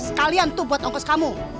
sekalian tuh buat ongkos kamu